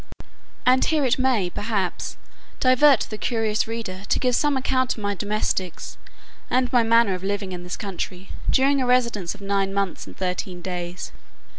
And here it may, perhaps, divert the curious reader, to give some account of my domestics, and my manner of living in this country, during a residence of nine months, and thirteen days.